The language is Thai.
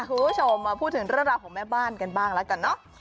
คุณผู้ชมมาพูดถึงเรื่องราวของแม่บ้านกันบ้างแล้วกันเนอะ